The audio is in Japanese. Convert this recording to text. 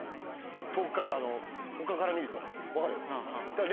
他から見ると分かる？